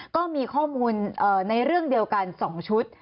ก็มีข้อมูลในเรื่องเดียวกัน๒ชุด